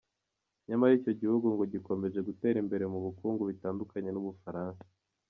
Nyamara ngo icyo gihugu gikomeje gutera imbere mu bukungu bitandukanye n’u Bufaransa.